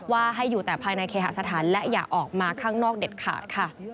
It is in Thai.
ว่าให้อยู่แต่ภายในเคหสถานและอย่าออกมาข้างนอกเด็ดขาดค่ะ